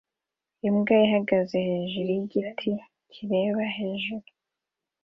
Imbwa ihagaze hejuru yigiti kireba hejuru